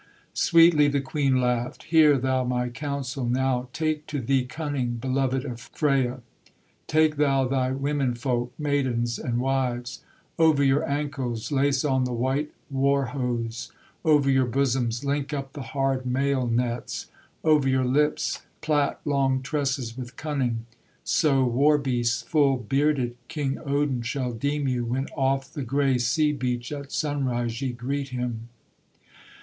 Sweetly the Queen laughed: 'Hear thou my counsel now; Take to thee cunning, Beloved of Freya. Take thou thy women folk, Maidens and wives: Over your ankles Lace on the white war hose; Over your bosoms Link up the hard mail nets; Over your lips Plait long tresses with cunning; So war beasts full bearded King Odin shall deem you, When off the gray sea beach At sunrise ye greet him.'